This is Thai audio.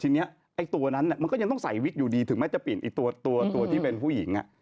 ทีนี้ไอ้ตัวนั้นมันก็ยังต้องใส่วิกอยู่ดีถึงแม้จะเปลี่ยนตัวที่เป็นผู้หญิง